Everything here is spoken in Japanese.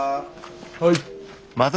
はい。